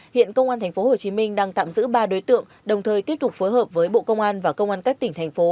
hiện công an tp hcm đang tạm giữ ba đối tượng đồng thời tiếp tục phối hợp với bộ công an và công an các tỉnh thành phố